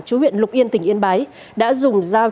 chú huyện lục yên tỉnh yên bái đã dùng dao